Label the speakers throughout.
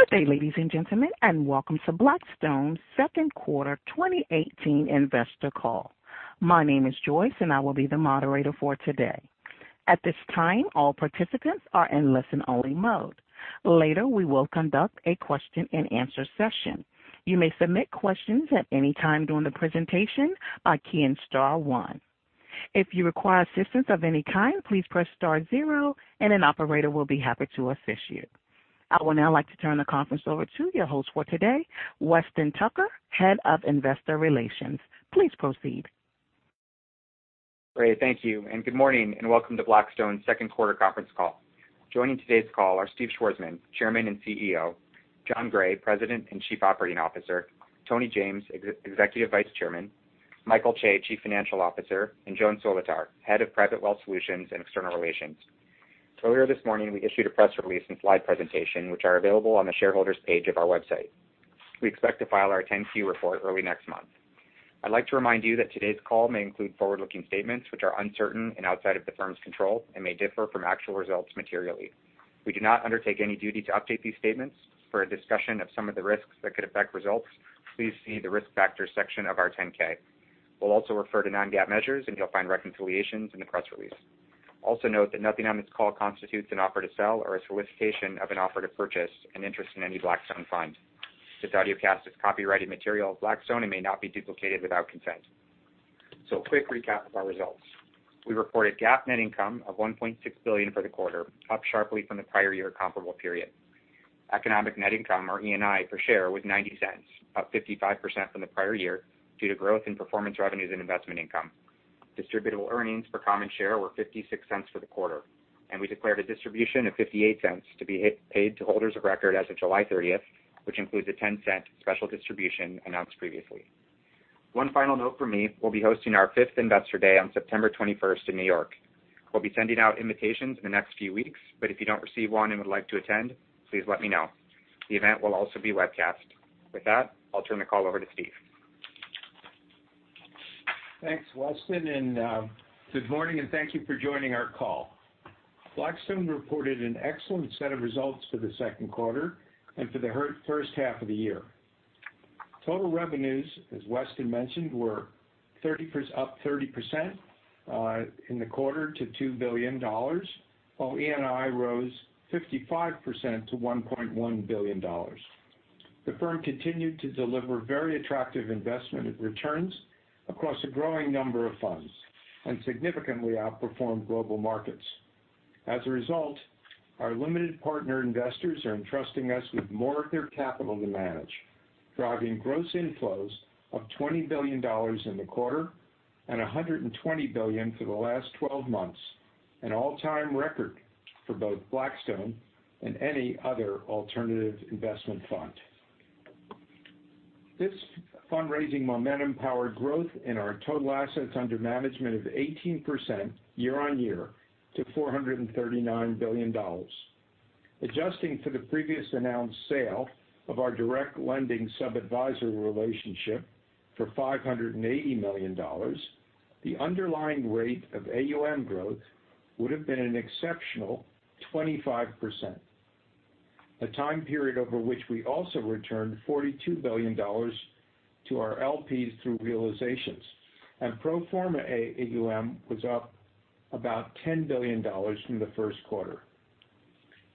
Speaker 1: Good day, ladies and gentlemen. Welcome to Blackstone's second quarter 2018 investor call. My name is Joyce. I will be the moderator for today. At this time, all participants are in listen-only mode. Later, we will conduct a question and answer session. You may submit questions at any time during the presentation by keying star one. If you require assistance of any kind, please press star zero and an operator will be happy to assist you. I would now like to turn the conference over to your host for today, Weston Tucker, Head of Investor Relations. Please proceed.
Speaker 2: Great. Thank you. Good morning, and welcome to Blackstone's second quarter conference call. Joining today's call are Steve Schwarzman, Chairman and CEO, Jon Gray, President and Chief Operating Officer, Tony James, Executive Vice Chairman, Michael Chae, Chief Financial Officer, and Joan Solotar, Head of Private Wealth Solutions and External Relations. Earlier this morning, we issued a press release and slide presentation, which are available on the shareholders page of our website. We expect to file our 10-Q report early next month. I'd like to remind you that today's call may include forward-looking statements, which are uncertain and outside of the firm's control and may differ from actual results materially. We do not undertake any duty to update these statements. For a discussion of some of the risks that could affect results, please see the risk factors section of our 10-K. We'll also refer to non-GAAP measures, and you'll find reconciliations in the press release. Also note that nothing on this call constitutes an offer to sell or a solicitation of an offer to purchase an interest in any Blackstone fund. This audiocast is copyrighted material of Blackstone and may not be duplicated without consent. A quick recap of our results. We reported GAAP net income of $1.6 billion for the quarter, up sharply from the prior year comparable period. Economic net income, or ENI, per share was $0.90, up 55% from the prior year due to growth in performance revenues and investment income. Distributable earnings per common share were $0.56 for the quarter, and we declared a distribution of $0.58 to be paid to holders of record as of July 30th, which includes a $0.10 special distribution announced previously. One final note from me. We'll be hosting our fifth Investor Day on September 21st in New York. We'll be sending out invitations in the next few weeks. If you don't receive one and would like to attend, please let me know. The event will also be webcast. With that, I'll turn the call over to Steve.
Speaker 3: Thanks, Weston. Good morning, and thank you for joining our call. Blackstone reported an excellent set of results for the second quarter and for the first half of the year. Total revenues, as Weston mentioned, were up 30% in the quarter to $2 billion, while ENI rose 55% to $1.1 billion. The firm continued to deliver very attractive investment returns across a growing number of funds and significantly outperformed global markets. As a result, our limited partner investors are entrusting us with more of their capital to manage, driving gross inflows of $20 billion in the quarter and $120 billion for the last 12 months, an all-time record for both Blackstone and any other alternative investment fund. This fundraising momentum powered growth in our total assets under management of 18% year-on-year to $439 billion. Adjusting for the previously announced sale of our direct lending sub-advisory relationship for $580 million, the underlying rate of AUM growth would've been an exceptional 25%, a time period over which we also returned $42 billion to our LPs through realizations. Pro forma AUM was up about $10 billion from the first quarter.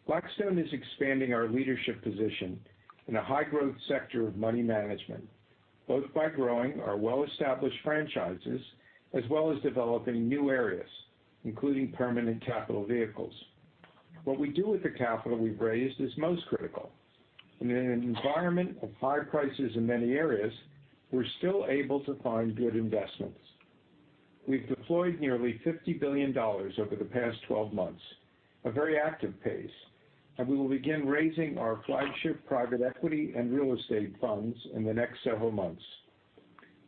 Speaker 3: Blackstone is expanding our leadership position in a high-growth sector of money management, both by growing our well-established franchises as well as developing new areas, including permanent capital vehicles. What we do with the capital we've raised is most critical. In an environment of high prices in many areas, we're still able to find good investments. We've deployed nearly $50 billion over the past 12 months, a very active pace, and we will begin raising our flagship private equity and real estate funds in the next several months.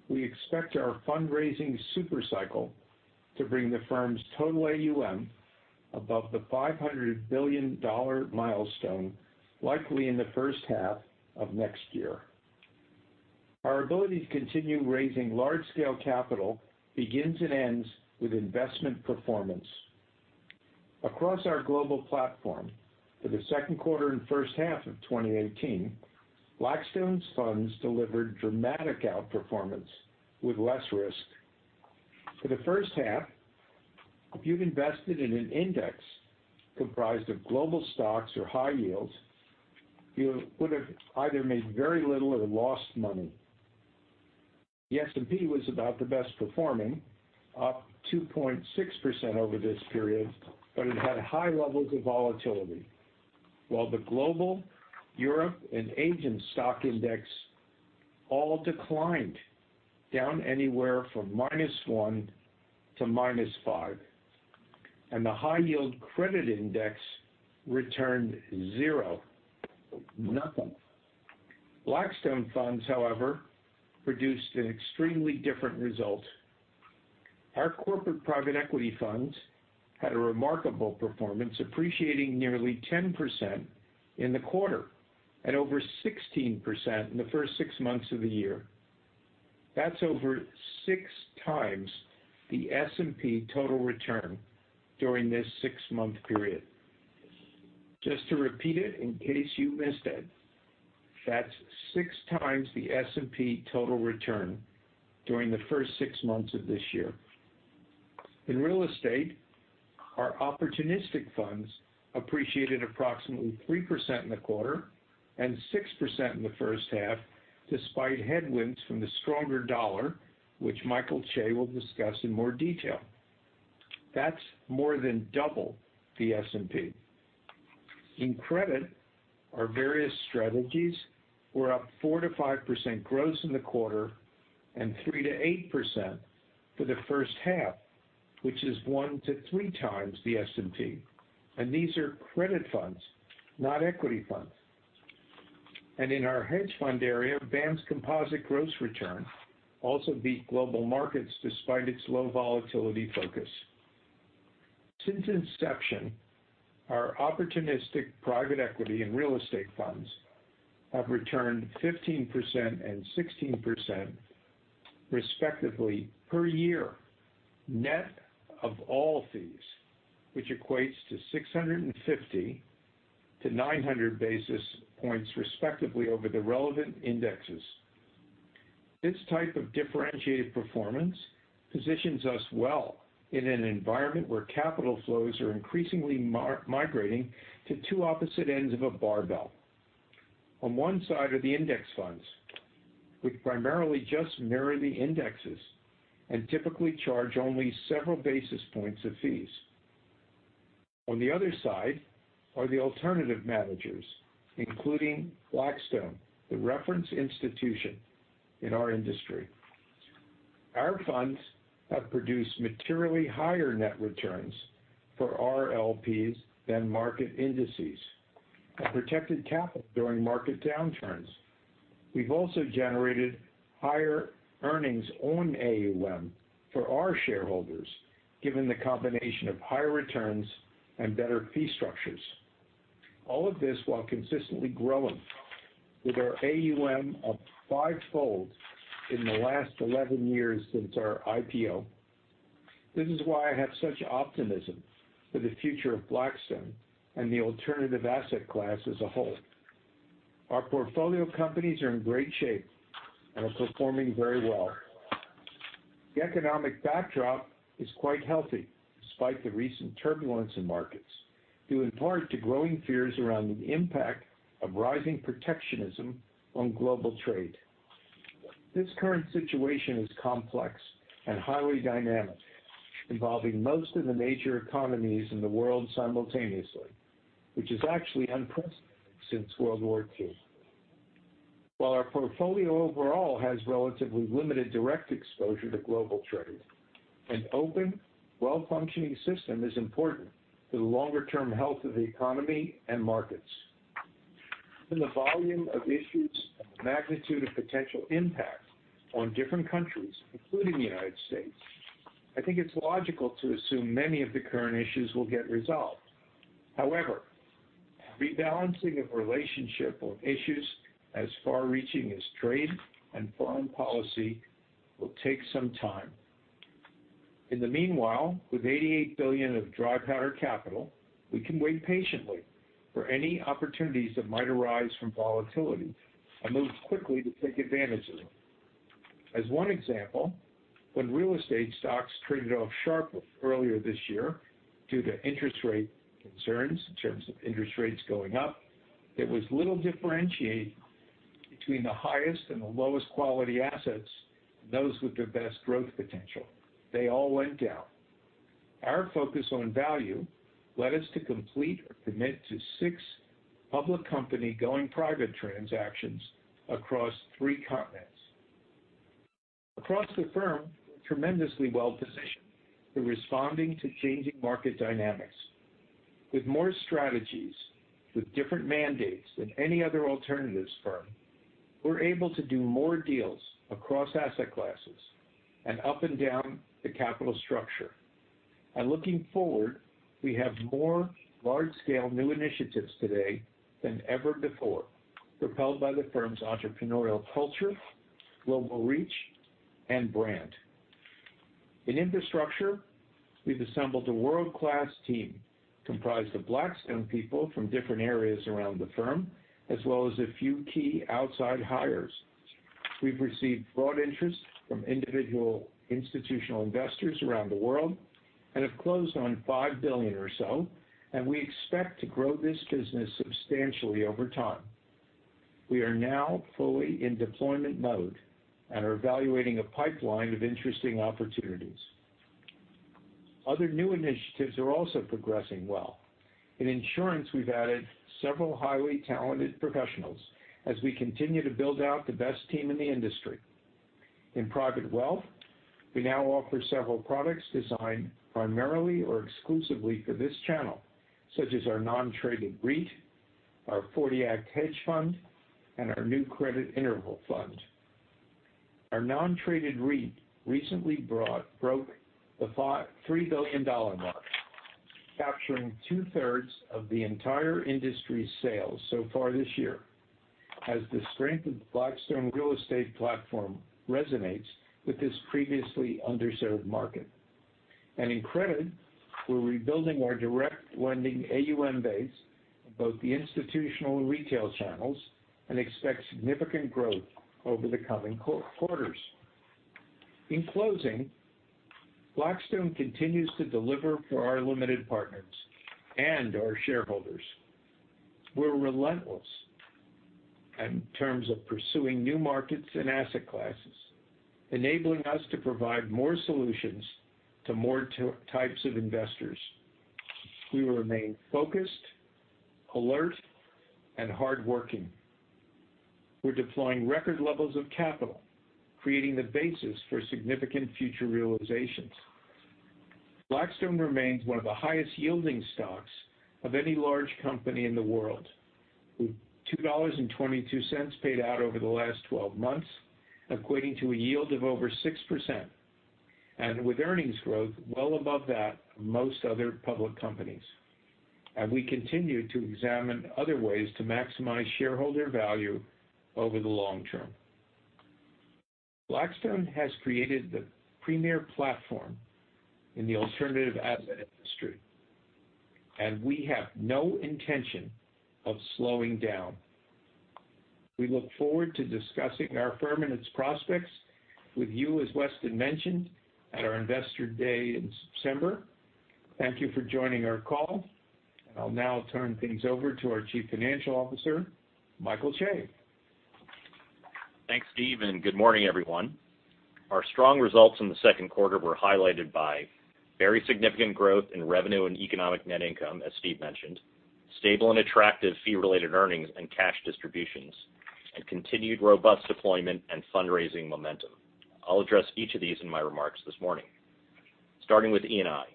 Speaker 3: We expect our fundraising super cycle to bring the firm's total AUM above the $500 billion milestone likely in the first half of next year. Our ability to continue raising large-scale capital begins and ends with investment performance. Across our global platform for the second quarter and first half of 2018, Blackstone's funds delivered dramatic outperformance with less risk. For the first half, if you've invested in an index comprised of global stocks or high yields, you would've either made very little or lost money. The S&P was about the best performing, up 2.6% over this period, but it had high levels of volatility. While the Global, Europe, and Asian stock index all declined, down anywhere from -1% to -5%. The high yield credit index returned zero. Nothing. Blackstone funds, however, produced an extremely different result. Our corporate private equity funds had a remarkable performance, appreciating nearly 10% in the quarter and over 16% in the first six months of the year. That's over six times the S&P total return during this six-month period. Just to repeat it in case you missed it, that's six times the S&P total return during the first six months of this year. In real estate, our opportunistic funds appreciated approximately 3% in the quarter, and 6% in the first half, despite headwinds from the stronger dollar, which Michael Chae will discuss in more detail. That's more than double the S&P. In credit, our various strategies were up 4% to 5% gross in the quarter, and 3% to 8% for the first half, which is 1 to 3 times the S&P. These are credit funds, not equity funds. In our hedge fund area, BAAM's composite gross return also beat global markets despite its low volatility focus. Since inception, our opportunistic private equity and real estate funds have returned 15% and 16%, respectively, per year, net of all fees, which equates to 650 to 900 basis points, respectively, over the relevant indexes. This type of differentiated performance positions us well in an environment where capital flows are increasingly migrating to two opposite ends of a barbell. On one side are the index funds, which primarily just mirror the indexes and typically charge only several basis points of fees. On the other side are the alternative managers, including Blackstone, the reference institution in our industry. Our funds have produced materially higher net returns for our LPs than market indices and protected capital during market downturns. All of this while consistently growing with our AUM up five-fold in the last 11 years since our IPO. This is why I have such optimism for the future of Blackstone and the alternative asset class as a whole. Our portfolio companies are in great shape and are performing very well. The economic backdrop is quite healthy despite the recent turbulence in markets, due in part to growing fears around the impact of rising protectionism on global trade. This current situation is complex and highly dynamic, involving most of the major economies in the world simultaneously, which is actually unprecedented since World War II. While our portfolio overall has relatively limited direct exposure to global trade, an open, well-functioning system is important for the longer-term health of the economy and markets. Given the volume of issues and the magnitude of potential impact on different countries, including the U.S., I think it's logical to assume many of the current issues will get resolved. Rebalancing of relationship of issues as far-reaching as trade and foreign policy will take some time. In the meanwhile, with $88 billion of dry powder capital, we can wait patiently for any opportunities that might arise from volatility, and move quickly to take advantage of them. As one example, when real estate stocks traded off sharply earlier this year due to interest rate concerns, in terms of interest rates going up, there was little differentiation between the highest and the lowest quality assets, and those with the best growth potential. They all went down. Our focus on value led us to complete or commit to six public company going private transactions across three continents. Across the firm, we're tremendously well positioned for responding to changing market dynamics. With more strategies, with different mandates than any other alternatives firm, we're able to do more deals across asset classes and up and down the capital structure. Looking forward, we have more large-scale new initiatives today than ever before, propelled by the firm's entrepreneurial culture, global reach, and brand. In infrastructure, we've assembled a world-class team comprised of Blackstone people from different areas around the firm, as well as a few key outside hires. We've received broad interest from individual institutional investors around the world and have closed on $5 billion or so, and we expect to grow this business substantially over time. We are now fully in deployment mode and are evaluating a pipeline of interesting opportunities. Other new new initiatives are also progressing well. In insurance, we've added several highly talented professionals as we continue to build out the best team in the industry. In private wealth, we now offer several products designed primarily or exclusively for this channel, such as our non-traded REIT, our '40 Act hedge fund, and our new credit interval fund. Our non-traded REIT recently broke the $3 billion mark, capturing two-thirds of the entire industry's sales so far this year, as the strength of Blackstone Real Estate platform resonates with this previously underserved market. In credit, we're rebuilding our direct lending AUM base in both the institutional and retail channels and expect significant growth over the coming quarters. In closing, Blackstone continues to deliver for our limited partners and our shareholders. We're relentless in terms of pursuing new markets and asset classes, enabling us to provide more solutions to more types of investors. We remain focused, alert, and hardworking. We're deploying record levels of capital, creating the basis for significant future realizations. Blackstone remains one of the highest yielding stocks of any large company in the world, with $2.22 paid out over the last 12 months, equating to a yield of over 6%, with earnings growth well above that of most other public companies. We continue to examine other ways to maximize shareholder value over the long term. Blackstone has created the premier platform in the alternative asset industry, we have no intention of slowing down. We look forward to discussing our firm and its prospects with you, as Weston mentioned, at our Investor Day in September. Thank you for joining our call, I'll now turn things over to our Chief Financial Officer, Michael Chae.
Speaker 4: Thanks, Steve. Good morning, everyone. Our strong results in the second quarter were highlighted by very significant growth in revenue and economic net income, as Steve mentioned, stable and attractive fee-related earnings and cash distributions, continued robust deployment and fundraising momentum. I'll address each of these in my remarks this morning. Starting with ENI.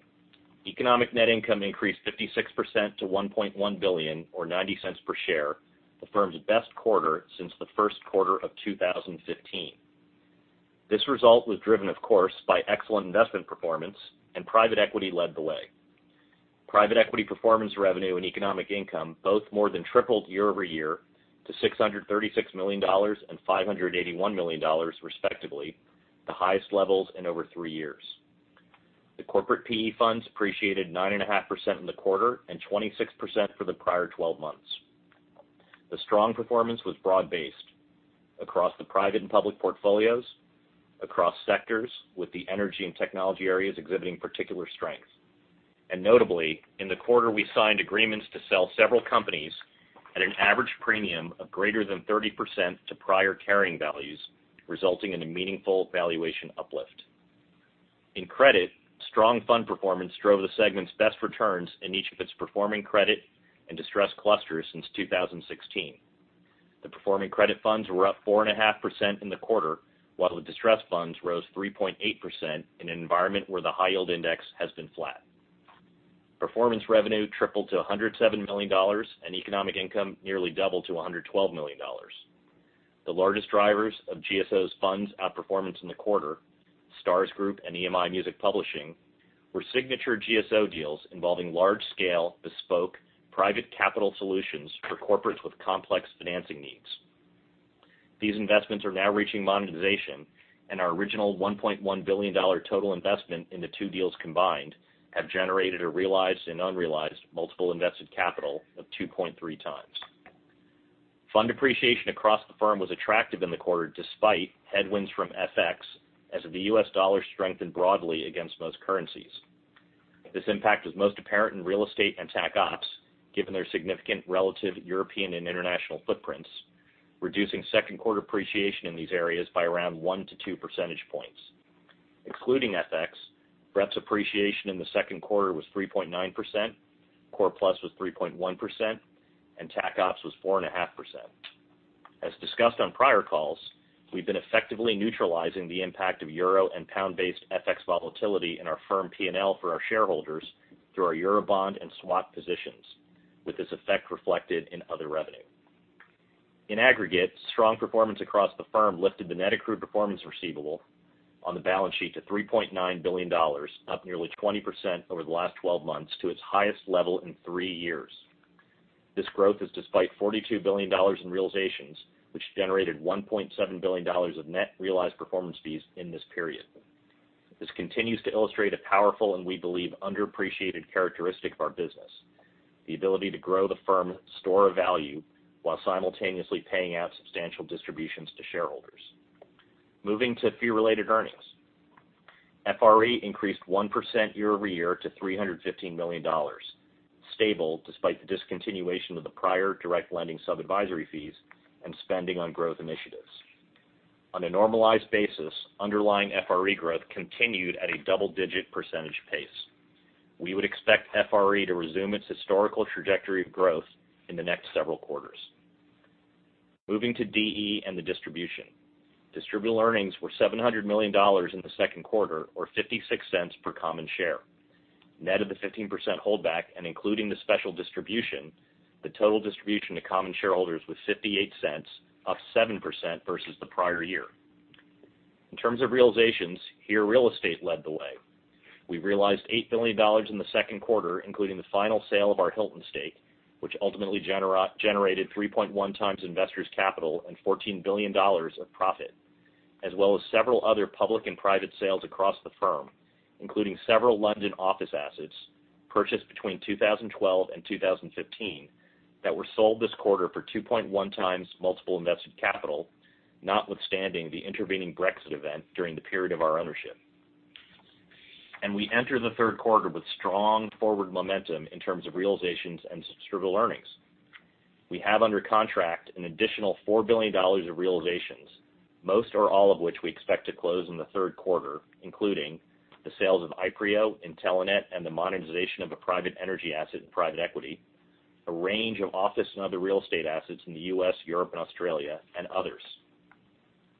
Speaker 4: Economic net income increased 56% to $1.1 billion, or $0.90 per share, the firm's best quarter since the first quarter of 2015. This result was driven, of course, by excellent investment performance. Private equity led the way. Private equity performance revenue and economic income both more than tripled year-over-year to $636 million and $581 million respectively, the highest levels in over three years. The corporate PE funds appreciated 9.5% in the quarter and 26% for the prior 12 months. The strong performance was broad-based across the private and public portfolios, across sectors, with the energy and technology areas exhibiting particular strength. Notably, in the quarter, we signed agreements to sell several companies at an average premium of greater than 30% to prior carrying values, resulting in a meaningful valuation uplift. In credit, strong fund performance drove the segment's best returns in each of its performing credit and distressed clusters since 2016. The performing credit funds were up 4.5% in the quarter, while the distressed funds rose 3.8% in an environment where the high yield index has been flat. Performance revenue tripled to $107 million, and economic income nearly doubled to $112 million. The largest drivers of GSO's funds outperformance in the quarter, Stars Group and EMI Music Publishing, were signature GSO deals involving large-scale, bespoke private capital solutions for corporates with complex financing needs. These investments are now reaching monetization. Our original $1.1 billion total investment in the two deals combined have generated a realized and unrealized multiple invested capital of 2.3 times. Fund appreciation across the firm was attractive in the quarter despite headwinds from FX, as the US dollar strengthened broadly against most currencies. This impact was most apparent in real estate and Tac Opps, given their significant relative European and international footprints, reducing second quarter appreciation in these areas by around one to two percentage points. Including FX, BREP's appreciation in the second quarter was 3.9%, Core+ was 3.1%, and Tac Opps was 4.5%. As discussed on prior calls, we've been effectively neutralizing the impact of euro and pound-based FX volatility in our firm P&L for our shareholders through our Eurobond and swap positions, with this effect reflected in other revenue. In aggregate, strong performance across the firm lifted the net accrued performance receivable on the balance sheet to $3.9 billion, up nearly 20% over the last 12 months to its highest level in three years. This growth is despite $42 billion in realizations, which generated $1.7 billion of net realized performance fees in this period. This continues to illustrate a powerful and we believe underappreciated characteristic of our business, the ability to grow the firm store of value while simultaneously paying out substantial distributions to shareholders. Moving to fee-related earnings. FRE increased 1% year-over-year to $315 million, stable despite the discontinuation of the prior direct lending sub-advisory fees and spending on growth initiatives. On a normalized basis, underlying FRE growth continued at a double-digit percentage pace. We would expect FRE to resume its historical trajectory of growth in the next several quarters. Moving to DE and the distribution. Distributed earnings were $700 million in the second quarter, or $0.56 per common share. Net of the 15% holdback and including the special distribution, the total distribution to common shareholders was $0.58, up 7% versus the prior year. In terms of realizations, here real estate led the way. We realized $8 billion in the second quarter, including the final sale of our Hilton stake, which ultimately generated 3.1 times investors' capital and $14 billion of profit, as well as several other public and private sales across the firm, including several London office assets purchased between 2012 and 2015 that were sold this quarter for 2.1 times multiple invested capital, notwithstanding the intervening Brexit event during the period of our ownership. We enter the third quarter with strong forward momentum in terms of realizations and distributable earnings. We have under contract an additional $4 billion of realizations, most or all of which we expect to close in the third quarter, including the sales of Ipreo, Intelenet, and the monetization of a private energy asset in private equity, a range of office and other real estate assets in the U.S., Europe, and Australia, and others.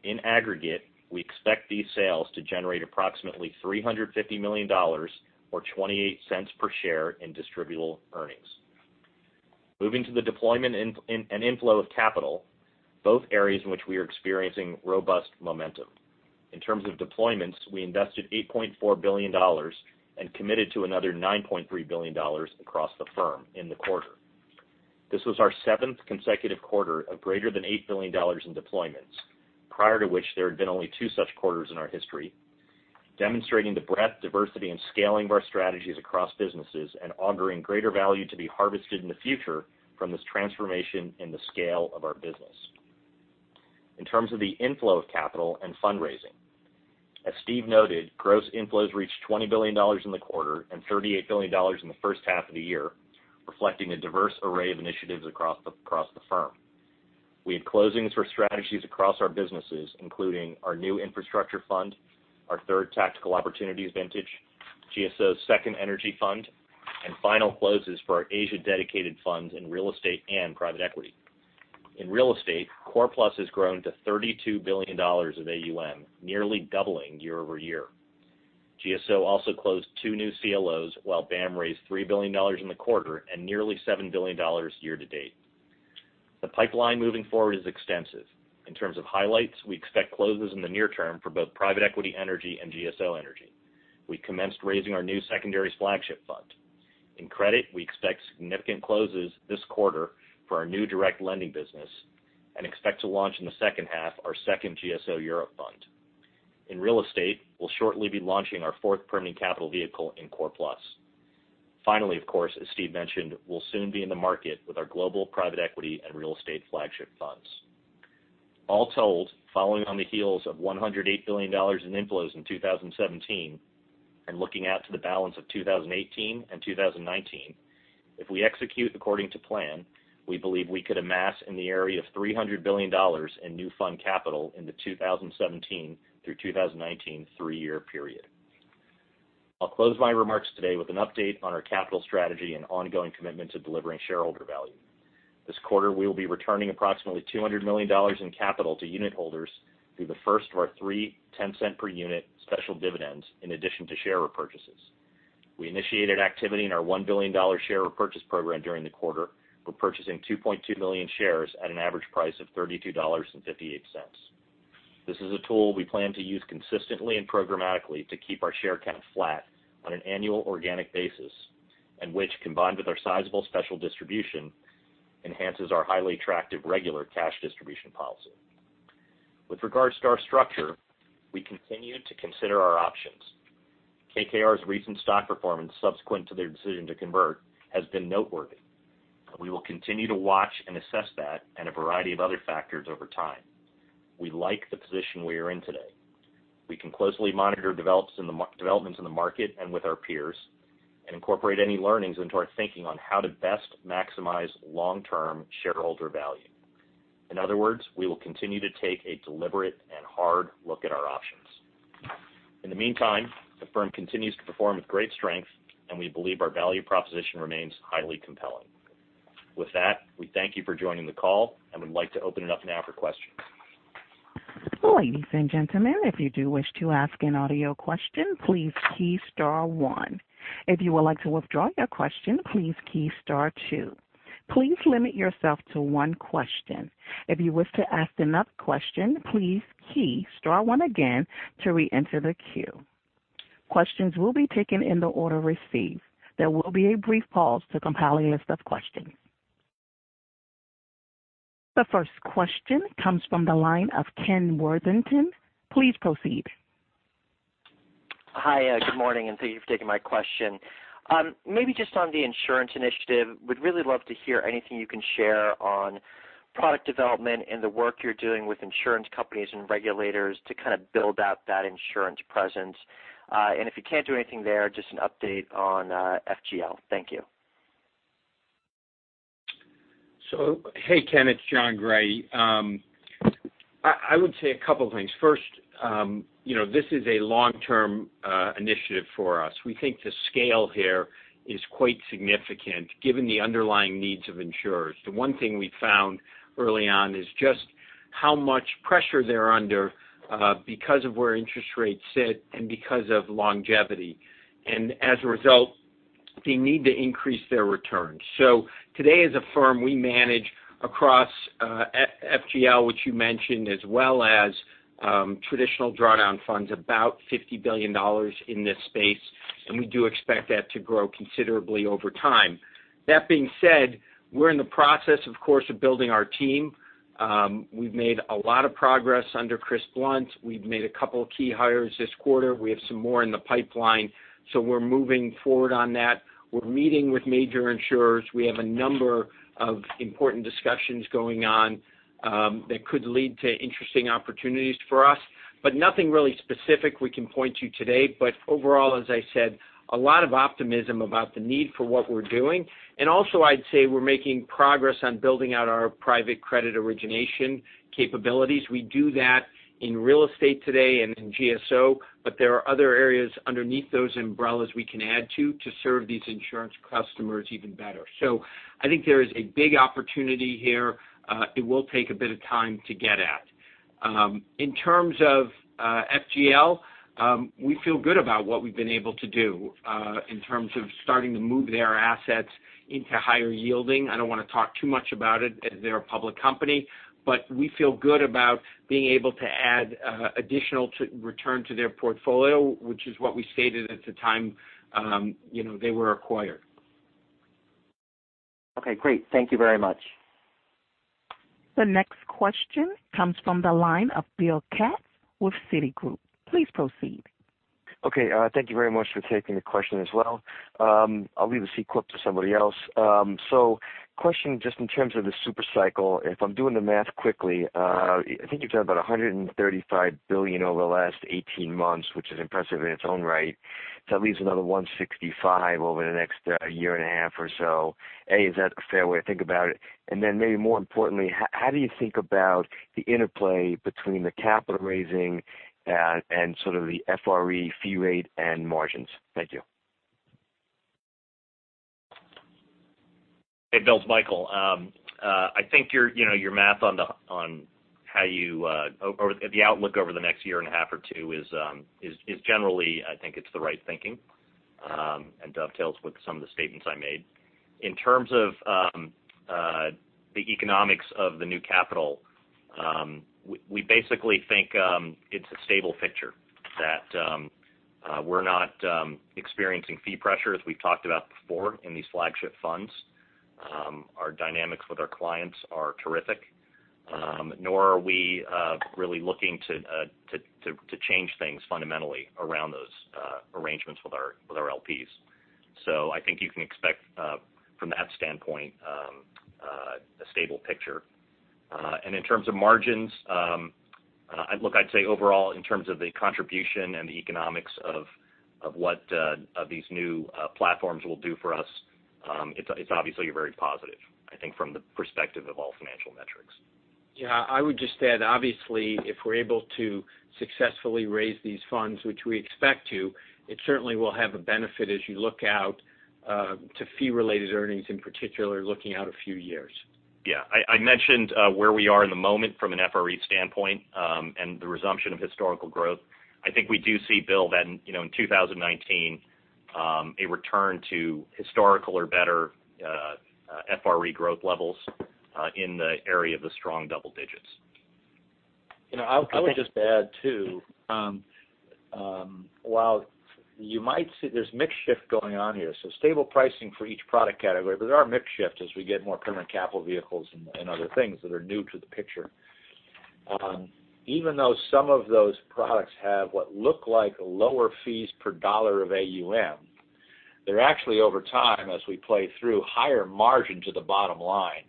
Speaker 4: In aggregate, we expect these sales to generate approximately $350 million or $0.28 per share in distributable earnings. Moving to the deployment and inflow of capital, both areas in which we are experiencing robust momentum. In terms of deployments, we invested $8.4 billion and committed to another $9.3 billion across the firm in the quarter. This was our seventh consecutive quarter of greater than eight billion in deployments, prior to which there had been only two such quarters in our history, demonstrating the breadth, diversity, and scaling of our strategies across businesses and auguring greater value to be harvested in the future from this transformation in the scale of our business. In terms of the inflow of capital and fundraising, as Steve noted, gross inflows reached $20 billion in the quarter and $38 billion in the first half of the year, reflecting a diverse array of initiatives across the firm. We had closings for strategies across our businesses, including our new infrastructure fund, our third Tactical Opportunities vintage, GSO's second energy fund, and final closes for our Asia-dedicated funds in real estate and private equity. In real estate, Core+ has grown to $32 billion of AUM, nearly doubling year-over-year. GSO also closed two new CLOs, while BAAM raised $3 billion in the quarter and nearly $7 billion year to date. The pipeline moving forward is extensive. In terms of highlights, we expect closes in the near term for both private equity energy and GSO energy. We commenced raising our new secondaries flagship fund. In credit, we expect significant closes this quarter for our new direct lending business and expect to launch in the second half our second GSO Europe fund. In real estate, we'll shortly be launching our fourth permanent capital vehicle in Core+. Finally, of course, as Steve mentioned, we'll soon be in the market with our global private equity and real estate flagship funds. All told, following on the heels of $108 billion in inflows in 2017, and looking out to the balance of 2018 and 2019, if we execute according to plan, we believe we could amass in the area of $300 billion in new fund capital in the 2017 through 2019 three-year period. I'll close my remarks today with an update on our capital strategy and ongoing commitment to delivering shareholder value. This quarter, we will be returning approximately $200 million in capital to unitholders through the first of our three $0.10 per unit special dividends, in addition to share repurchases. We initiated activity in our $1 billion share repurchase program during the quarter. We're purchasing 2.2 million shares at an average price of $32.58. This is a tool we plan to use consistently and programmatically to keep our share count flat on an annual organic basis, and which, combined with our sizable special distribution, enhances our highly attractive regular cash distribution policy. With regards to our structure, we continue to consider our options. KKR's recent stock performance subsequent to their decision to convert has been noteworthy. We will continue to watch and assess that and a variety of other factors over time. We like the position we are in today. We can closely monitor developments in the market and with our peers, and incorporate any learnings into our thinking on how to best maximize long-term shareholder value. In other words, we will continue to take a deliberate and hard look at our options. In the meantime, the firm continues to perform with great strength, and we believe our value proposition remains highly compelling. With that, we thank you for joining the call and would like to open it up now for questions.
Speaker 1: Ladies and gentlemen, if you do wish to ask an audio question, please key *1. If you would like to withdraw your question, please key *2. Please limit yourself to one question. If you wish to ask another question, please key *1 again to reenter the queue. Questions will be taken in the order received. There will be a brief pause to compile a list of questions. The first question comes from the line of Kenneth Worthington. Please proceed.
Speaker 5: Hi. Good morning, and thank you for taking my question. Maybe just on the insurance initiative, would really love to hear anything you can share on product development and the work you're doing with insurance companies and regulators to kind of build out that insurance presence. And if you can't do anything there, just an update on FGL. Thank you.
Speaker 6: Hey, Ken. It's Jon Gray. I would say a couple of things. First, this is a long-term initiative for us. We think the scale here is quite significant given the underlying needs of insurers. The one thing we found early on is just how much pressure they're under because of where interest rates sit and because of longevity. As a result, they need to increase their returns. Today, as a firm, we manage across FGL, which you mentioned, as well as traditional drawdown funds, about $50 billion in this space. We do expect that to grow considerably over time. That being said, we're in the process, of course, of building our team. We've made a lot of progress under Chris Blunt. We've made a couple of key hires this quarter. We have some more in the pipeline. We're moving forward on that. We're meeting with major insurers. We have a number of important discussions going on that could lead to interesting opportunities for us, nothing really specific we can point to today. Overall, as I said, a lot of optimism about the need for what we're doing. Also, I'd say we're making progress on building out our private credit origination capabilities. We do that in real estate today and in GSO. There are other areas underneath those umbrellas we can add to serve these insurance customers even better. I think there is a big opportunity here. It will take a bit of time to get at. In terms of FGL, we feel good about what we've been able to do in terms of starting to move their assets into higher yielding. I don't want to talk too much about it, as they're a public company. We feel good about being able to add additional return to their portfolio, which is what we stated at the time they were acquired.
Speaker 7: Okay, great. Thank you very much.
Speaker 1: The next question comes from the line of William Katz with Citigroup. Please proceed.
Speaker 7: Okay. Thank you very much for taking the question as well. I'll leave the C corp to somebody else. Question, just in terms of the super cycle, if I'm doing the math quickly, I think you've done about $135 billion over the last 18 months, which is impressive in its own right. That leaves another $165 billion over the next year and a half or so. A, is that a fair way to think about it? Maybe more importantly, how do you think about the interplay between the capital raising and sort of the FRE fee rate and margins? Thank you.
Speaker 4: Hey, Bill. It's Michael. I think your math on the outlook over the next year and a half or two is generally, I think it's the right thinking, and dovetails with some of the statements I made. In terms of the economics of the new capital, we basically think it's a stable picture that we're not experiencing fee pressure, as we've talked about before in these flagship funds. Our dynamics with our clients are terrific. Nor are we really looking to change things fundamentally around those arrangements with our LPs. I think you can expect from that standpoint a stable picture. In terms of margins, look, I'd say overall, in terms of the contribution and the economics of these new platforms will do for us it's obviously very positive, I think, from the perspective of all financial metrics.
Speaker 6: Yeah. I would just add, obviously, if we're able to successfully raise these funds, which we expect to, it certainly will have a benefit as you look out to fee-related earnings, in particular, looking out a few years.
Speaker 4: Yeah. I mentioned where we are in the moment from an FRE standpoint and the resumption of historical growth. I think we do see, Bill, that in 2019 a return to historical or better FRE growth levels in the area of the strong double digits.
Speaker 6: I would just add, too, there's mix shift going on here. Stable pricing for each product category, but there are mix shift as we get more permanent capital vehicles and other things that are new to the picture. Even though some of those products have what look like lower fees per dollar of AUM, they're actually, over time, as we play through higher margin to the bottom line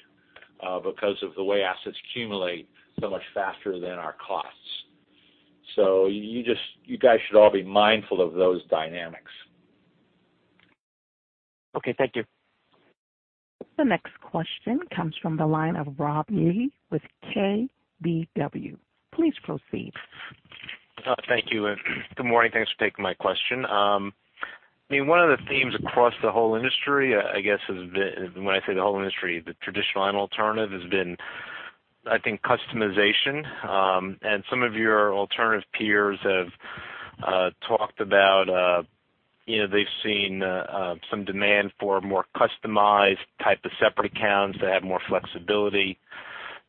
Speaker 6: because of the way assets accumulate so much faster than our costs. You guys should all be mindful of those dynamics.
Speaker 7: Okay. Thank you.
Speaker 1: The next question comes from the line of Rob Mee with KBW. Please proceed.
Speaker 8: Thank you. Good morning. Thanks for taking my question. One of the themes across the whole industry, I guess, when I say the whole industry, the traditional and alternative has been, I think, customization. Some of your alternative peers have talked about they've seen some demand for more customized type of separate accounts that have more flexibility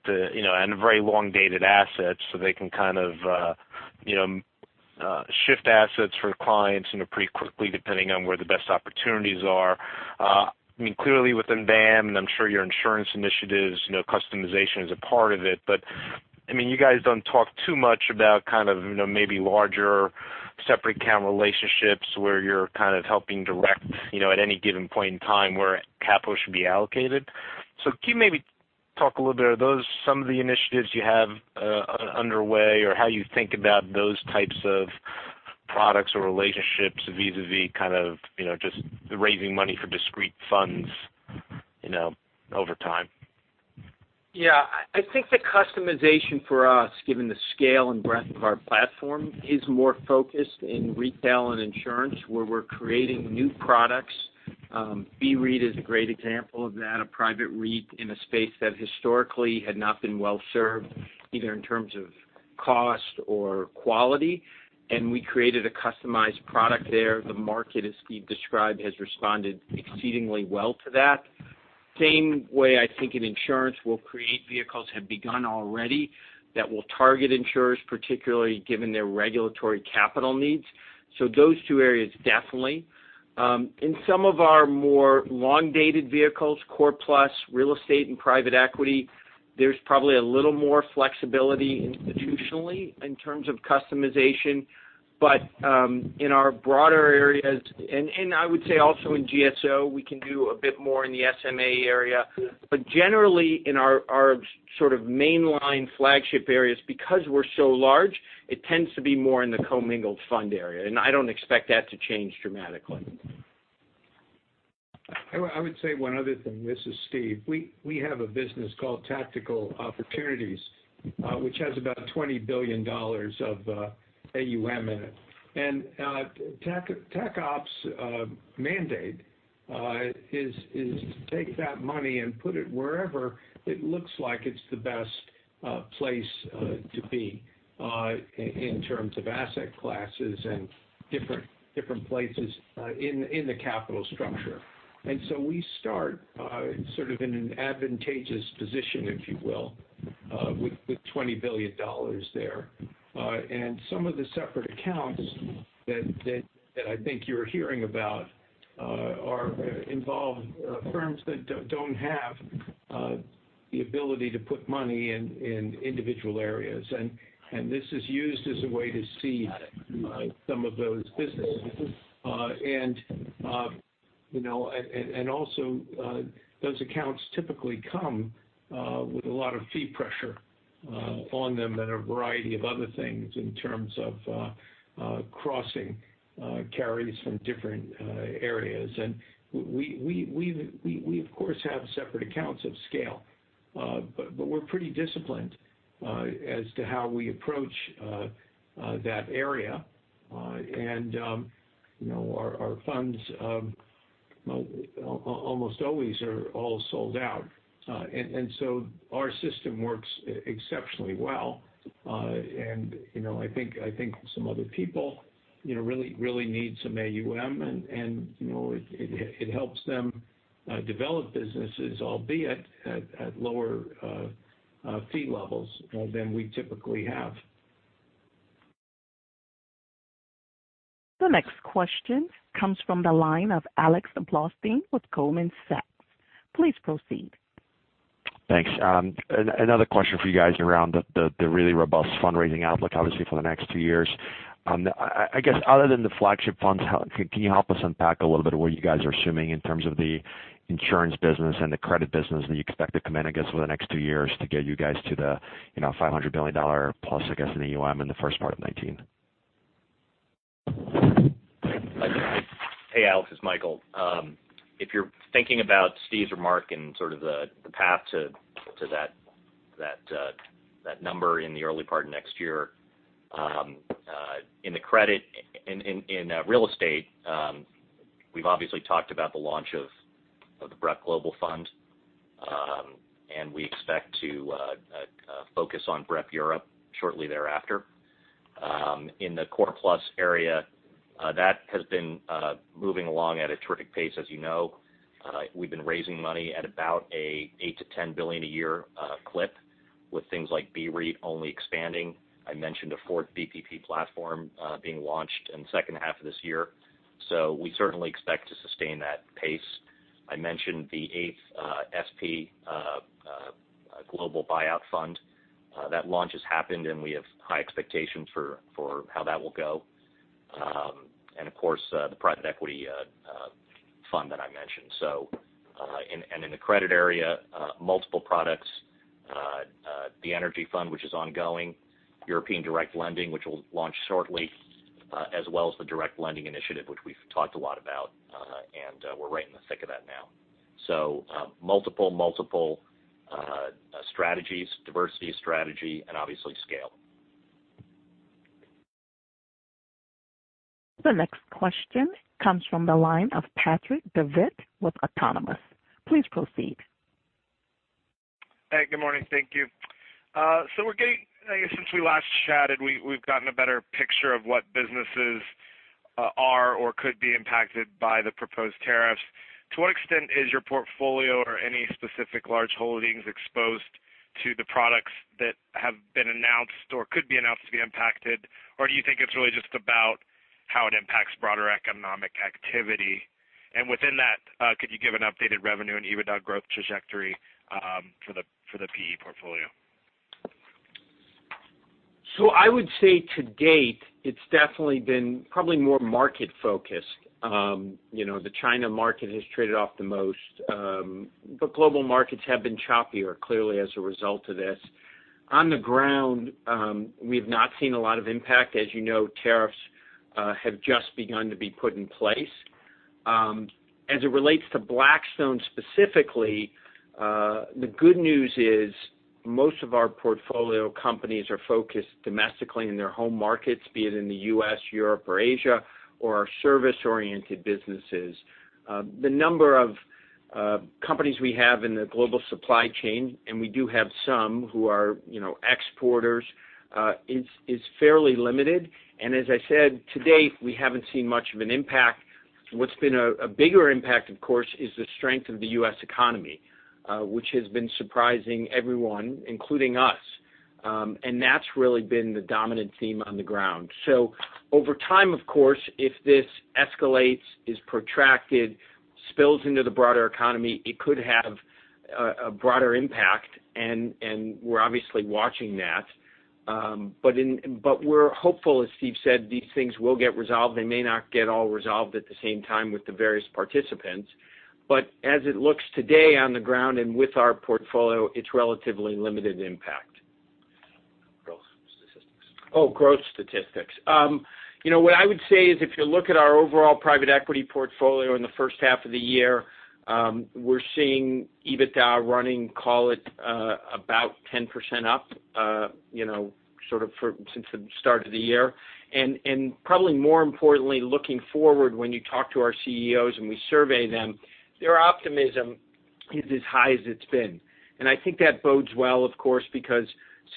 Speaker 8: and very long-dated assets so they can shift assets for clients pretty quickly depending on where the best opportunities are. Clearly within BAAM, and I'm sure your insurance initiatives customization is a part of it, but you guys don't talk too much about maybe larger separate account relationships where you're helping direct at any given point in time where capital should be allocated. Can you maybe talk a little bit, are those some of the initiatives you have underway or how you think about those types of products or relationships vis-a-vis just raising money for discrete funds over time?
Speaker 6: Yeah. I think the customization for us, given the scale and breadth of our platform, is more focused in retail and insurance where we're creating new products. BREIT is a great example of that, a private REIT in a space that historically had not been well-served either in terms of Cost or quality, and we created a customized product there. The market, as Steve described, has responded exceedingly well to that. Same way I think in insurance we'll create vehicles, have begun already, that will target insurers, particularly given their regulatory capital needs. Those two areas, definitely. In some of our more long-dated vehicles, Core+, real estate, and private equity, there's probably a little more flexibility institutionally in terms of customization. In our broader areas, and I would say also in GSO, we can do a bit more in the SMA area. Generally in our sort of mainline flagship areas, because we're so large, it tends to be more in the commingled fund area. I don't expect that to change dramatically.
Speaker 3: I would say one other thing. This is Steve. We have a business called Tactical Opportunities, which has about $20 billion of AUM in it. Tac Opps's mandate is to take that money and put it wherever it looks like it's the best place to be, in terms of asset classes and different places in the capital structure. So we start sort of in an advantageous position, if you will, with $20 billion there. Some of the separate accounts that I think you're hearing about involve firms that don't have the ability to put money in individual areas. This is used as a way to seed some of those businesses. Also, those accounts typically come with a lot of fee pressure on them and a variety of other things in terms of crossing carries from different areas. We, of course, have separate accounts of scale. We're pretty disciplined as to how we approach that area. Our funds almost always are all sold out. So our system works exceptionally well. I think some other people really need some AUM, and it helps them develop businesses, albeit at lower fee levels than we typically have.
Speaker 1: The next question comes from the line of Alex Blostein with Goldman Sachs. Please proceed.
Speaker 9: Thanks. Another question for you guys around the really robust fundraising outlook, obviously, for the next two years. I guess other than the flagship funds, can you help us unpack a little bit of what you guys are assuming in terms of the insurance business and the credit business that you expect to come in, I guess, over the next two years to get you guys to the $500 billion-plus, I guess, in AUM in the first part of 2019?
Speaker 4: Hey, Alex, it's Michael. If you're thinking about Steve's remark and sort of the path to that number in the early part of next year. In real estate, we've obviously talked about the launch of the BREP Global Fund. We expect to focus on BREP Europe shortly thereafter. In the Core+ area, that has been moving along at a terrific pace, as you know. We've been raising money at about an 8 to $10 billion a year clip, with things like BREIT only expanding. I mentioned a fourth BPP platform being launched in the second half of this year. We certainly expect to sustain that pace. I mentioned the eighth BCP Global Buyout Fund. That launch has happened, and we have high expectations for how that will go. Of course, the private equity fund that I mentioned. In the credit area, multiple products. The energy fund, which is ongoing. European direct lending, which will launch shortly, as well as the direct lending initiative, which we've talked a lot about, and we're right in the thick of that now. Multiple strategies, diversity of strategy, and obviously scale.
Speaker 1: The next question comes from the line of Patrick Davitt with Autonomous. Please proceed.
Speaker 10: Hey, good morning. Thank you. I guess since we last chatted, we've gotten a better picture of what businesses are or could be impacted by the proposed tariffs. To what extent is your portfolio or any specific large holdings exposed to the products that have been announced or could be announced to be impacted? Do you think it's really just about how it impacts broader economic activity? Within that, could you give an updated revenue and EBITDA growth trajectory for the PE portfolio?
Speaker 4: I would say to date, it's definitely been probably more market focused. The China market has traded off the most. Global markets have been choppier, clearly, as a result of this. On the ground, we've not seen a lot of impact. As you know, tariffs have just begun to be put in place. As it relates to Blackstone specifically, the good news is most of our portfolio companies are focused domestically in their home markets, be it in the U.S., Europe, or Asia, or are service-oriented businesses. The number of
Speaker 6: Companies we have in the global supply chain, and we do have some who are exporters is fairly limited. As I said, to date, we haven't seen much of an impact. What's been a bigger impact, of course, is the strength of the U.S. economy, which has been surprising everyone, including us. That's really been the dominant theme on the ground. Over time, of course, if this escalates, is protracted, spills into the broader economy, it could have a broader impact, and we're obviously watching that. We're hopeful, as Steve said, these things will get resolved. They may not get all resolved at the same time with the various participants. As it looks today on the ground and with our portfolio, it's relatively limited impact.
Speaker 4: Growth statistics.
Speaker 6: Growth statistics. What I would say is if you look at our overall private equity portfolio in the first half of the year, we're seeing EBITDA running, call it about 10% up since the start of the year. Probably more importantly, looking forward, when you talk to our CEOs, and we survey them, their optimism is as high as it's been. I think that bodes well, of course, because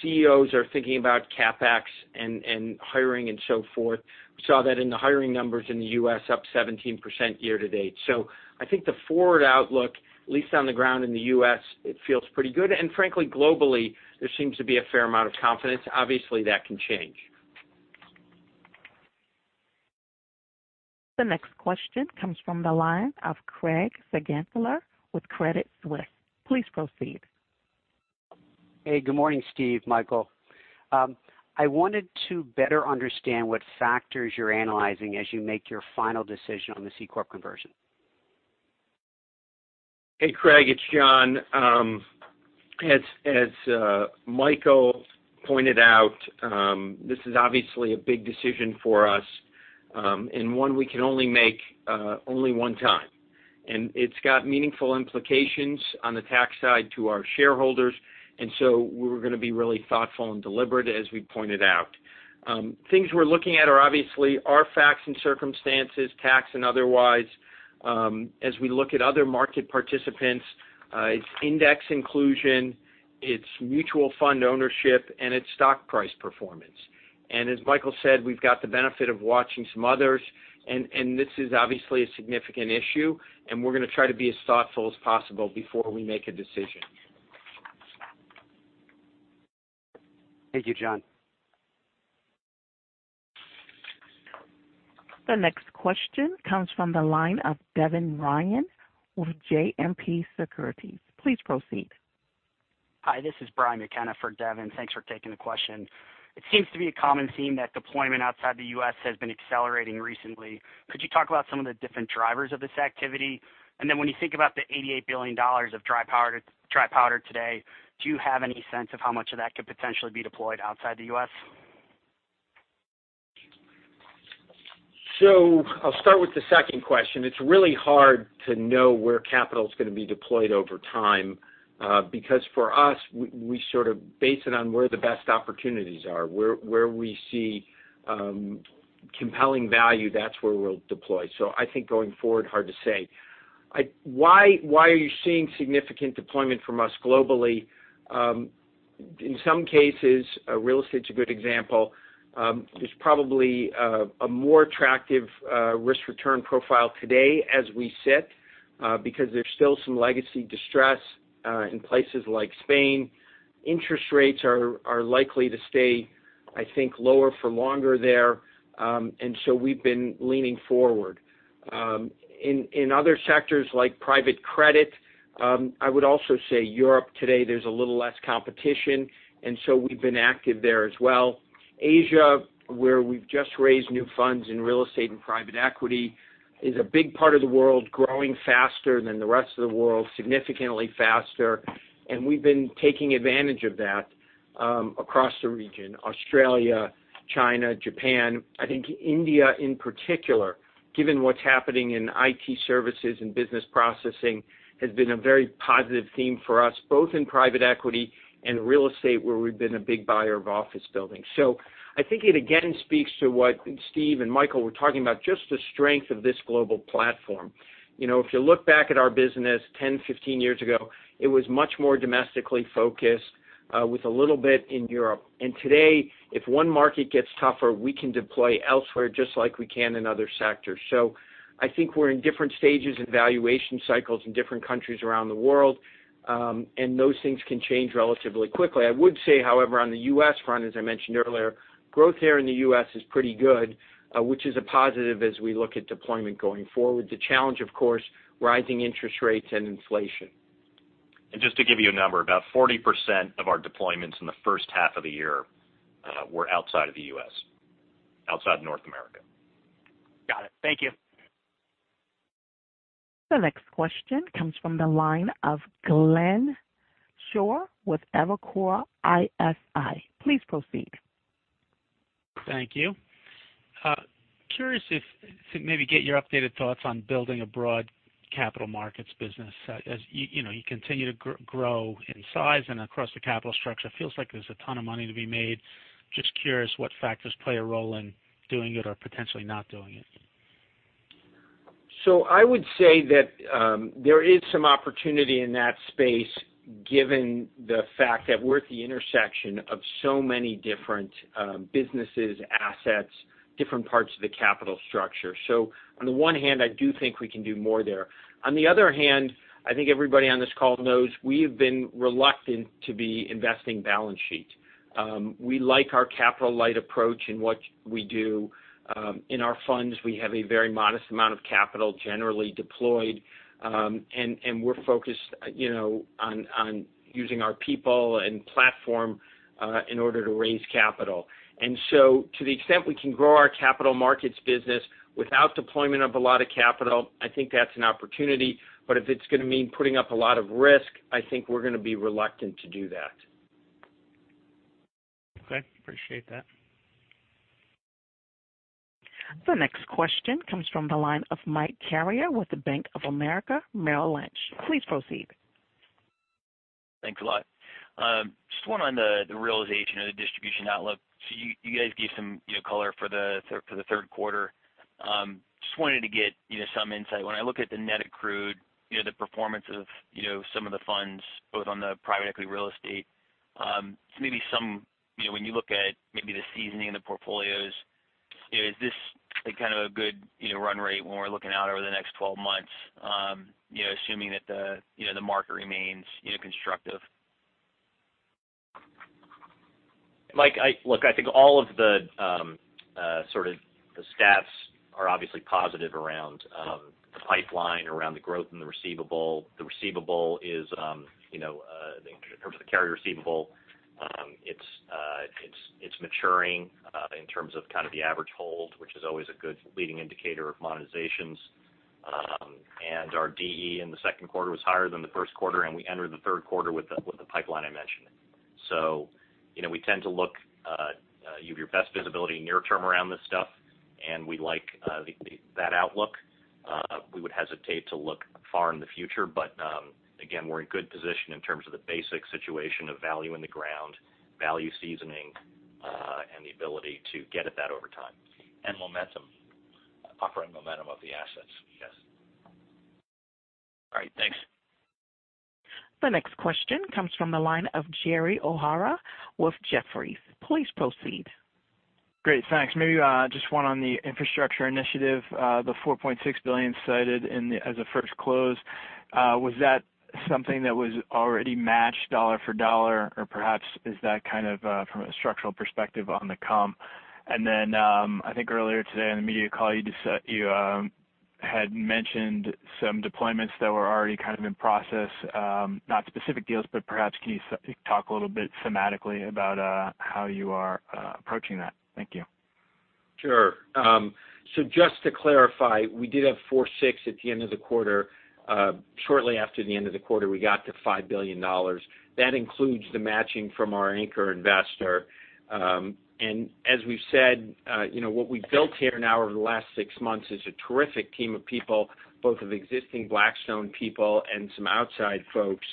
Speaker 6: CEOs are thinking about CapEx and hiring and so forth. We saw that in the hiring numbers in the U.S., up 17% year to date. I think the forward outlook, at least on the ground in the U.S., it feels pretty good. Frankly, globally, there seems to be a fair amount of confidence. Obviously, that can change.
Speaker 1: The next question comes from the line of Craig Siegenthaler with Credit Suisse. Please proceed.
Speaker 11: Hey, good morning, Steve, Michael. I wanted to better understand what factors you're analyzing as you make your final decision on the C corp conversion.
Speaker 6: Hey, Craig. It's Jon. As Michael pointed out, this is obviously a big decision for us, and one we can only make one time. It's got meaningful implications on the tax side to our shareholders. So we're going to be really thoughtful and deliberate, as we pointed out. Things we're looking at are obviously our facts and circumstances, tax and otherwise. As we look at other market participants, it's index inclusion, it's mutual fund ownership, and it's stock price performance. As Michael said, we've got the benefit of watching some others, and this is obviously a significant issue, and we're going to try to be as thoughtful as possible before we make a decision.
Speaker 11: Thank you, Jon.
Speaker 1: The next question comes from the line of Devin Ryan with JMP Securities. Please proceed.
Speaker 12: Hi, this is Brian McKenna for Devin. Thanks for taking the question. It seems to be a common theme that deployment outside the U.S. has been accelerating recently. Could you talk about some of the different drivers of this activity? When you think about the $88 billion of dry powder today, do you have any sense of how much of that could potentially be deployed outside the U.S.?
Speaker 6: I'll start with the second question. It's really hard to know where capital is going to be deployed over time, because for us, we sort of base it on where the best opportunities are. Where we see compelling value, that's where we'll deploy. I think going forward, hard to say. Why are you seeing significant deployment from us globally? In some cases, real estate's a good example. There's probably a more attractive risk-return profile today as we sit because there's still some legacy distress in places like Spain. Interest rates are likely to stay, I think, lower for longer there. We've been leaning forward. In other sectors like private credit, I would also say Europe today, there's a little less competition, and so we've been active there as well. Asia, where we've just raised new funds in real estate and private equity, is a big part of the world growing faster than the rest of the world, significantly faster, and we've been taking advantage of that across the region. Australia, China, Japan. I think India in particular, given what's happening in IT services and business processing, has been a very positive theme for us, both in private equity and real estate, where we've been a big buyer of office buildings. I think it again speaks to what Steve and Michael were talking about, just the strength of this global platform. If you look back at our business 10, 15 years ago, it was much more domestically focused with a little bit in Europe. Today, if one market gets tougher, we can deploy elsewhere just like we can in other sectors. I think we're in different stages of valuation cycles in different countries around the world. Those things can change relatively quickly. I would say, however, on the U.S. front, as I mentioned earlier, growth here in the U.S. is pretty good, which is a positive as we look at deployment going forward. The challenge, of course, rising interest rates and inflation.
Speaker 4: Just to give you a number, about 40% of our deployments in the first half of the year were outside of the U.S. Outside North America.
Speaker 12: Got it. Thank you.
Speaker 1: The next question comes from the line of Glenn Schorr with Evercore ISI. Please proceed.
Speaker 13: Thank you. Curious if to maybe get your updated thoughts on building a broad capital markets business. As you continue to grow in size and across the capital structure, it feels like there's a ton of money to be made. Just curious what factors play a role in doing it or potentially not doing it.
Speaker 6: I would say that there is some opportunity in that space given the fact that we're at the intersection of so many different businesses, assets, different parts of the capital structure. On the one hand, I do think we can do more there. On the other hand, I think everybody on this call knows we have been reluctant to be investing balance sheet. We like our capital light approach in what we do. In our funds, we have a very modest amount of capital generally deployed. We're focused on using our people and platform in order to raise capital. To the extent we can grow our capital markets business without deployment of a lot of capital, I think that's an opportunity. If it's going to mean putting up a lot of risk, I think we're going to be reluctant to do that.
Speaker 13: Okay. Appreciate that.
Speaker 1: The next question comes from the line of Michael Carrier with the Bank of America Merrill Lynch. Please proceed.
Speaker 14: Thanks a lot. Just one on the realization of the distribution outlook. You guys gave some color for the third quarter. Just wanted to get some insight. When I look at the net accrued, the performance of some of the funds, both on the private equity real estate. When you look at maybe the seasoning of the portfolios, is this a good run rate when we're looking out over the next 12 months, assuming that the market remains constructive?
Speaker 4: Mike, look, I think all of the sort of the stats are obviously positive around the pipeline, around the growth in the receivable. The receivable is, in terms of the carrier receivable, it's maturing in terms of the average hold, which is always a good leading indicator of monetizations. Our DE in the second quarter was higher than the first quarter, and we entered the third quarter with the pipeline I mentioned. We tend to look, you have your best visibility near term around this stuff, and we like that outlook. We would hesitate to look far in the future. Again, we're in good position in terms of the basic situation of value in the ground, value seasoning, and the ability to get at that over time. Momentum, operating momentum of the assets. Yes.
Speaker 14: All right. Thanks.
Speaker 1: The next question comes from the line of Gerald O'Hara with Jefferies. Please proceed.
Speaker 15: Great, thanks. Maybe just one on the Infrastructure Initiative, the $4.6 billion cited as a first close. Was that something that was already matched dollar for dollar, or perhaps is that kind of from a structural perspective on the come? I think earlier today on the media call, you had mentioned some deployments that were already kind of in process. Not specific deals, perhaps can you talk a little bit thematically about how you are approaching that? Thank you.
Speaker 6: Sure. Just to clarify, we did have four six at the end of the quarter. Shortly after the end of the quarter, we got to $5 billion. That includes the matching from our anchor investor. As we've said, what we've built here now over the last six months is a terrific team of people, both of existing Blackstone people and some outside folks.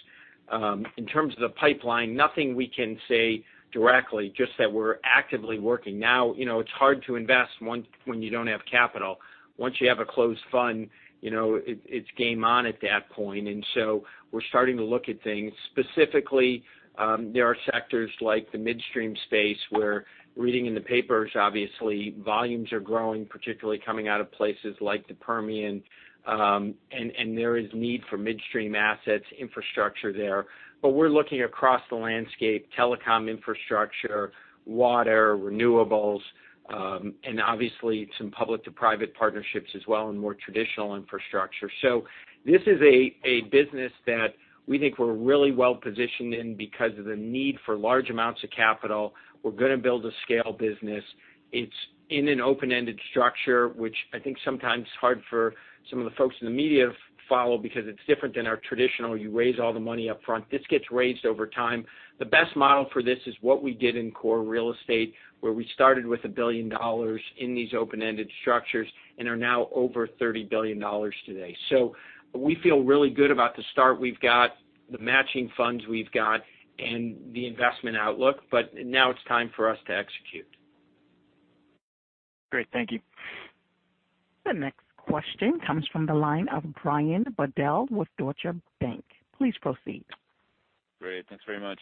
Speaker 6: In terms of the pipeline, nothing we can say directly, just that we're actively working. It's hard to invest when you don't have capital. Once you have a closed fund, it's game on at that point. We're starting to look at things. Specifically, there are sectors like the midstream space where reading in the papers, obviously, volumes are growing, particularly coming out of places like the Permian. There is need for midstream assets infrastructure there. We're looking across the landscape, telecom infrastructure, water, renewables, and obviously some public to private partnerships as well, and more traditional infrastructure. This is a business that we think we're really well positioned in because of the need for large amounts of capital. We're going to build a scale business. It's in an open-ended structure, which I think sometimes is hard for some of the folks in the media to follow because it's different than our traditional, you raise all the money up front. This gets raised over time. The best model for this is what we did in core real estate, where we started with $1 billion in these open-ended structures and are now over $30 billion today. We feel really good about the start we've got, the matching funds we've got, and the investment outlook, now it's time for us to execute.
Speaker 15: Great. Thank you.
Speaker 1: The next question comes from the line of Brian Bedell with Deutsche Bank. Please proceed.
Speaker 16: Great. Thanks very much.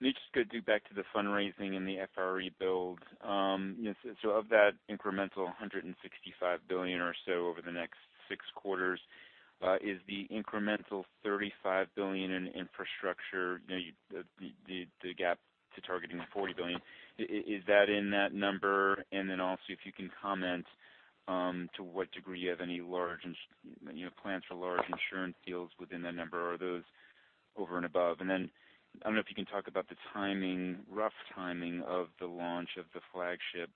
Speaker 16: Maybe just go back to the fundraising and the FRE build. Of that incremental $165 billion or so over the next six quarters, is the incremental $35 billion in infrastructure, the gap to targeting the $40 billion, is that in that number? Also, if you can comment to what degree you have any plans for large insurance deals within that number, or are those over and above? Then, I don't know if you can talk about the rough timing of the launch of the flagship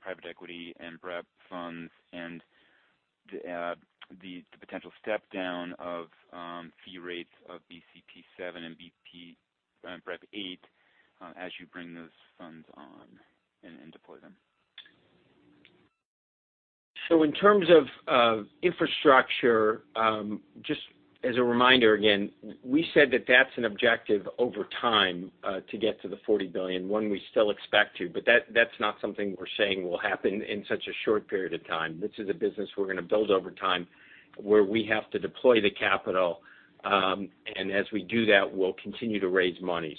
Speaker 16: private equity and BREP funds, and the potential step down of fee rates of BCP7 and BREP8 as you bring those funds on and deploy them.
Speaker 6: In terms of infrastructure, just as a reminder, again, we said that that's an objective over time to get to the $40 billion, we still expect to, but that's not something we're saying will happen in such a short period of time. This is a business we're going to build over time, where we have to deploy the capital, and as we do that, we'll continue to raise money.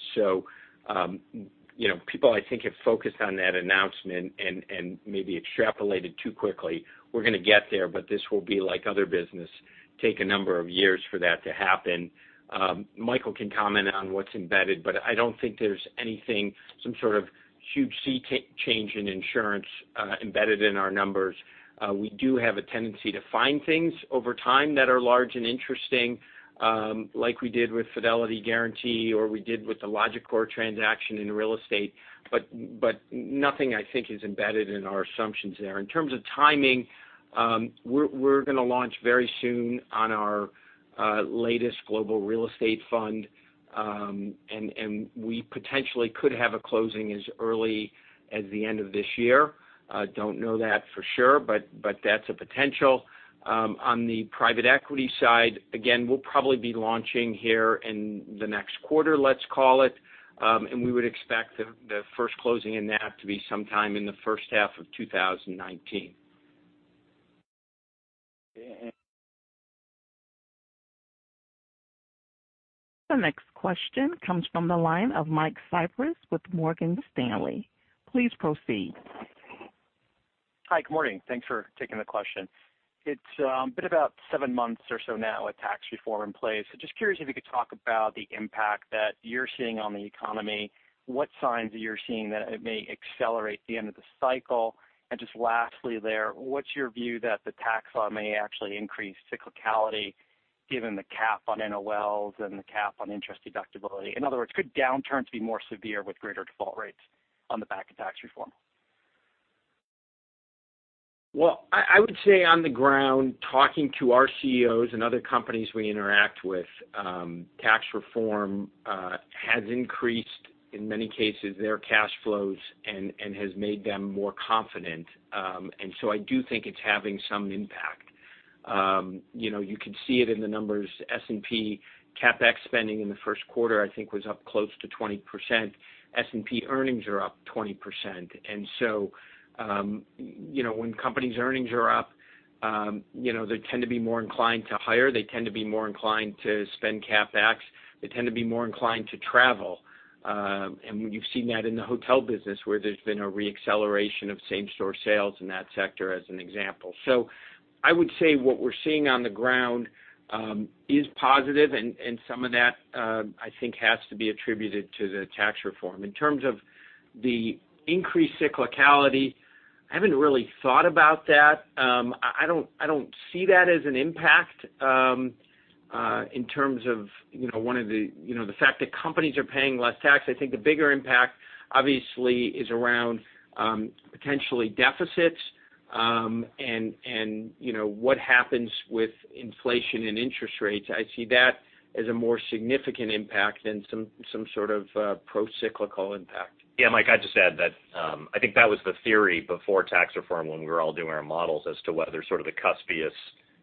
Speaker 6: People, I think, have focused on that announcement and maybe extrapolated too quickly. We're going to get there, but this will be like other business, take a number of years for that to happen. Michael can comment on what's embedded, but I don't think there's anything, some sort of huge sea change in insurance embedded in our numbers. We do have a tendency to find things over time that are large and interesting, like we did with Fidelity Guaranty or we did with the Logicor transaction in real estate. Nothing, I think, is embedded in our assumptions there. In terms of timing, we're going to launch very soon on our latest global real estate fund. We potentially could have a closing as early as the end of this year. Don't know that for sure, but that's a potential. On the private equity side, again, we'll probably be launching here in the next quarter, let's call it. We would expect the first closing in that to be sometime in the first half of 2019.
Speaker 1: The next question comes from the line of Michael Cyprys with Morgan Stanley. Please proceed.
Speaker 17: Hi. Good morning. Thanks for taking the question. It's been about seven months or so now with tax reform in place. Just curious if you could talk about the impact that you're seeing on the economy, what signs are you seeing that it may accelerate the end of the cycle, and just lastly there, what's your view that the tax law may actually increase cyclicality given the cap on NOLs and the cap on interest deductibility? In other words, could downturns be more severe with greater default rates on the back of tax reform?
Speaker 6: Well, I would say on the ground, talking to our CEOs and other companies we interact with, tax reform has increased, in many cases, their cash flows and has made them more confident. I do think it's having some impact. You can see it in the numbers. S&P CapEx spending in the first quarter, I think, was up close to 20%. S&P earnings are up 20%. When companies' earnings are up, they tend to be more inclined to hire, they tend to be more inclined to spend CapEx, they tend to be more inclined to travel. And you've seen that in the hotel business, where there's been a re-acceleration of same-store sales in that sector, as an example. I would say what we're seeing on the ground is positive, and some of that, I think, has to be attributed to the tax reform. In terms of the increased cyclicality, I haven't really thought about that. I don't see that as an impact, in terms of the fact that companies are paying less tax. I think the bigger impact, obviously, is around potentially deficits, and what happens with inflation and interest rates. I see that as a more significant impact than some sort of pro-cyclical impact.
Speaker 4: Yeah, Mike, I'd just add that I think that was the theory before tax reform when we were all doing our models as to whether sort of the cuspious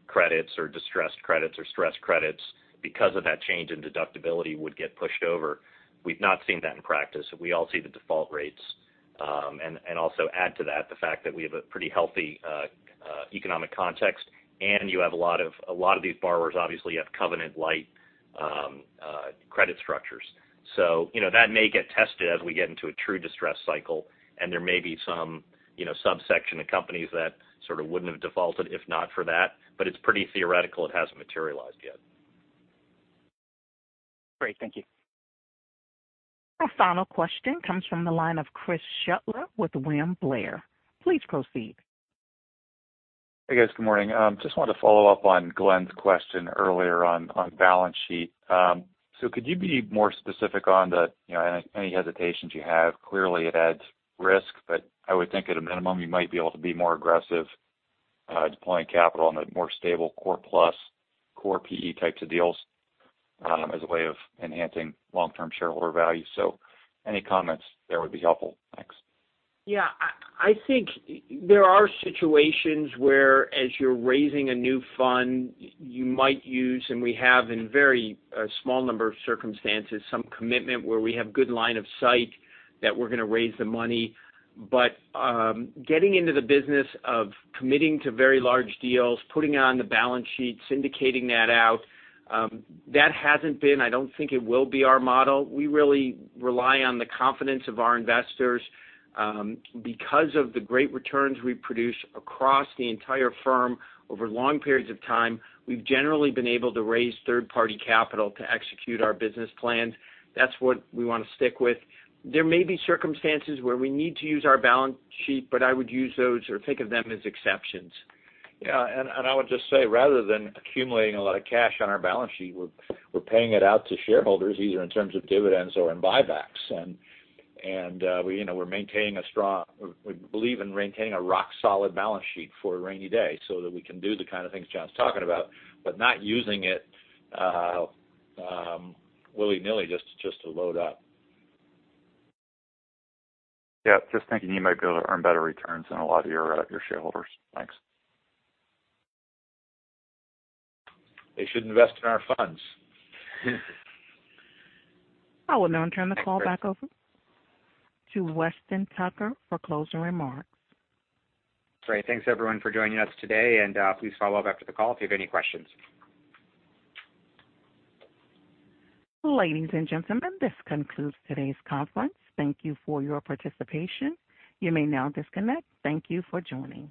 Speaker 4: credits or distressed credits or stress credits because of that change in deductibility would get pushed over. We've not seen that in practice. We all see the default rates. Also add to that the fact that we have a pretty healthy economic context, and you have a lot of these borrowers obviously have covenant light credit structures. That may get tested as we get into a true distress cycle, and there may be some subsection of companies that sort of wouldn't have defaulted if not for that. It's pretty theoretical. It hasn't materialized yet.
Speaker 17: Great. Thank you.
Speaker 1: Our final question comes from the line of Chris Shutler with William Blair. Please proceed.
Speaker 18: Hey, guys. Good morning. Just wanted to follow up on Glenn's question earlier on balance sheet. Could you be more specific on any hesitations you have? Clearly, it adds risk, but I would think at a minimum, you might be able to be more aggressive deploying capital in the more stable Core+ core PE types of deals as a way of enhancing long-term shareholder value. Any comments there would be helpful. Thanks.
Speaker 6: I think there are situations where as you're raising a new fund, you might use, and we have in very a small number of circumstances, some commitment where we have good line of sight that we're going to raise the money. Getting into the business of committing to very large deals, putting it on the balance sheet, syndicating that out, that hasn't been, I don't think it will be our model. We really rely on the confidence of our investors. Because of the great returns we produce across the entire firm over long periods of time, we've generally been able to raise third-party capital to execute our business plans. That's what we want to stick with. There may be circumstances where we need to use our balance sheet, but I would use those or think of them as exceptions.
Speaker 4: I would just say, rather than accumulating a lot of cash on our balance sheet, we're paying it out to shareholders, either in terms of dividends or in buybacks. We believe in maintaining a rock-solid balance sheet for a rainy day so that we can do the kind of things Jon's talking about, but not using it willy-nilly just to load up.
Speaker 18: Just thinking you might be able to earn better returns than a lot of your shareholders. Thanks.
Speaker 4: They should invest in our funds.
Speaker 1: I will now turn the call back over to Weston Tucker for closing remarks.
Speaker 2: Great. Thanks, everyone, for joining us today. Please follow up after the call if you have any questions.
Speaker 1: Ladies and gentlemen, this concludes today's conference. Thank you for your participation. You may now disconnect. Thank you for joining.